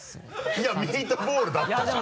いやミートボールだったじゃん！